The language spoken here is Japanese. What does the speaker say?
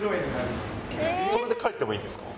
それで帰ってもいいんですか？